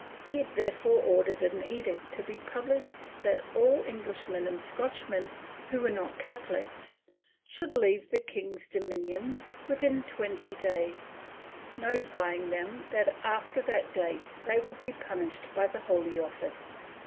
He had therefore ordered an edict to be pubhshed that all Enghsh men and Scotchmen, who were not Catholics, should leave the king's dominions within twenty days, notifying them that after that date they would be punished by the Holy Office.